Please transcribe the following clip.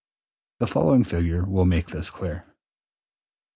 The following figure will make this clear.